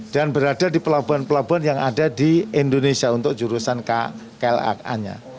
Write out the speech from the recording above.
dan berada di pelabuhan pelabuhan yang ada di indonesia untuk jurusan kla